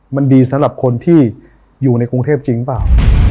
มันดีสำหรับคนที่อยู่ในกรุงเทพจริงเปล่า